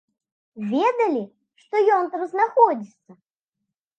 Ведалі, што ён там знаходзіцца?